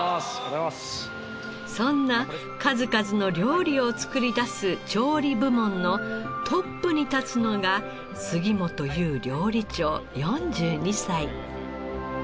そんな数々の料理を作り出す調理部門のトップに立つのが杉本雄料理長４２歳。